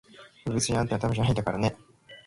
べ、別にあんたのためじゃないんだからね！